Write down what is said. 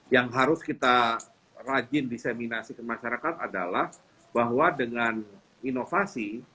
yang harus kita rajin diseminasi ke masyarakat adalah bahwa dengan inovasi